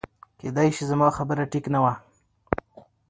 کېدی شي زما خبره ټیک نه وه